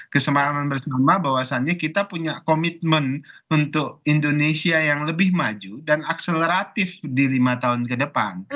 kesepahaman bersama bahwasannya kita punya komitmen untuk indonesia yang lebih maju dan akseleratif di lima tahun ke depan